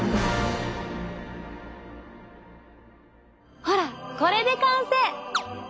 ほらこれで完成！